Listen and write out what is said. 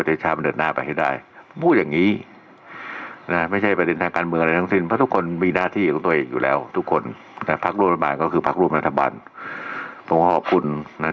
ต้องฟังคุณหน่อยครับตอนนี้